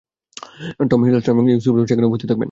Tom Hiddleston এবং Yusuf Islam সেখানে উপস্থিত থাকবেন।